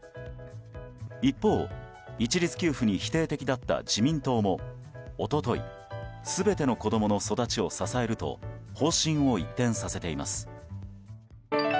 一方、一律給付に否定的だった自民党も一昨日全ての子供の育ちを支えると方針を一転させています。